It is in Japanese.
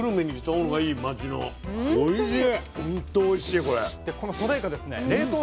おいしい。